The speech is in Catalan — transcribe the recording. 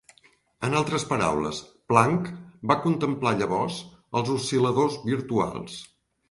En altres paraules, Planck va contemplar llavors els oscil·ladors virtuals.